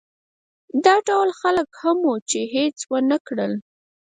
دا ډول خلک هم وو چې هېڅ ونه کړل.